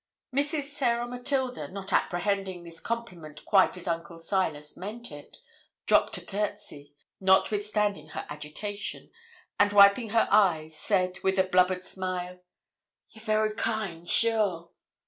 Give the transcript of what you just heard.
Mrs. Sarah Matilda, not apprehending this compliment quite as Uncle Silas meant it, dropped a courtesy, notwithstanding her agitation, and, wiping her eyes, said, with a blubbered smile 'You're very kind, sure.'